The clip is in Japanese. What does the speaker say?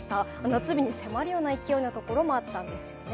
夏日に迫るような勢いの所もあったんですよね。